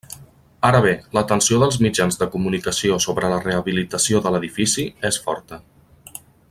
Ara bé l'atenció dels mitjans de comunicació sobre la rehabilitació de l'edifici és forta.